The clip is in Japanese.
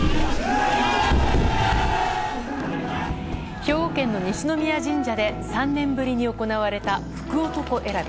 兵庫県の西宮神社で３年ぶりに行われた福男選び。